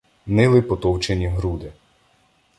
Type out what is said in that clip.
Нили потовчені груди.